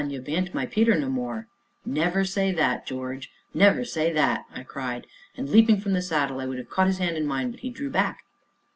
ye bean't my Peter no more " "Never say that, George never say that," I cried, and, leaping from the saddle, I would have caught his hand in mine, but he drew back.